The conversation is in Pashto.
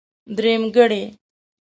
درېمګړی.